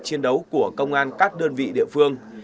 chiến đấu của công an các đơn vị địa phương